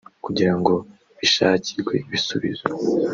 kugira ngo bishakirwe ibisubizo